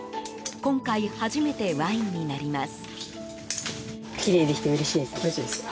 今回、初めてワインになります。